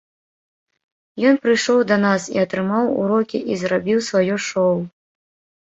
Ён прыйшоў да нас і атрымаў урокі і зрабіў сваё шоў.